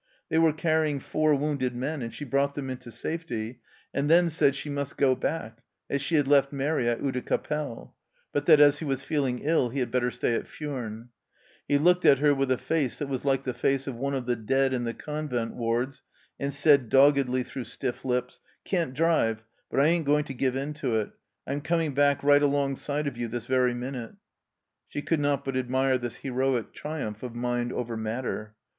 They were carrying four wounded men, and she brought them into safety, and then said she must go back, as she had left Mairi at Oudecappelle, but that as he was feeling ill he had better stay at Furnes. He looked at her with a face that was like the face of one of the dead in the convent wards, and said doggedly through stiff lips :" Can't drive, but I ain't going to give in to it. I'm coming back right alongside of you this very minute." She could not but admire this heroic triumph of mind over matter.